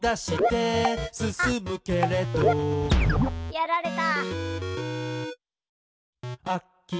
やられた。